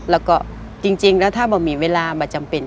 แล้วก็จริงแล้วถ้าบะหมี่เวลามาจำเป็น